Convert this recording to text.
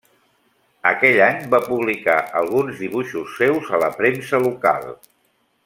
Aquell any va publicar alguns dibuixos seus a la premsa local.